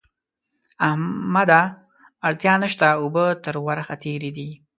احمده! اړتیا نه شته؛ اوبه تر ورخ تېرې دي.